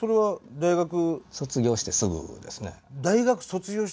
大学卒業してすぐ社長？